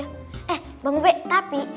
eh bang ube tapi